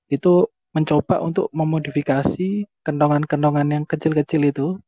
itu mencoba untuk memodifikasi kendongan kendongan yang kecil kecil itu